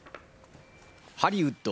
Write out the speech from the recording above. ハリウッド